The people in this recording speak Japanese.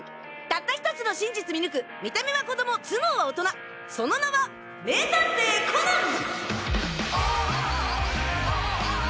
たった１つの真実見抜く見た目は子供頭脳は大人その名は名探偵コナン！